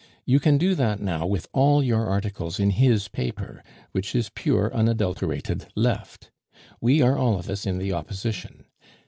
You can do that now with all your articles in his paper, which is pure unadulterated Left. We are all of us in the Opposition.